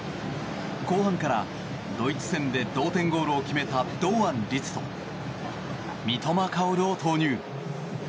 後半からドイツ戦で同点ゴールを決めた堂安律と三笘薫を投入。